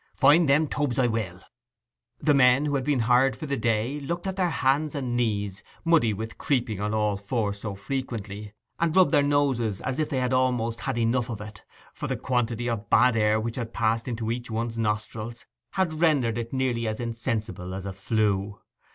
Find them tubs I will.' The men, who had been hired for the day, looked at their hands and knees, muddy with creeping on all fours so frequently, and rubbed their noses, as if they had almost had enough of it; for the quantity of bad air which had passed into each one's nostril had rendered it nearly as insensible as a flue.